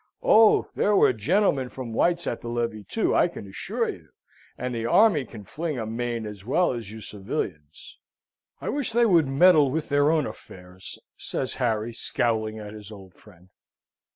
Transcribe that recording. Oh! there were gentlemen from White's at the levee too, I can assure you, and the army can fling a main as well as you civilians!" "I wish they would meddle with their own affairs," says Harry, scowling at his old friend.